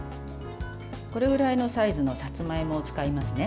これぐらいのサイズのさつまいもを使いますね。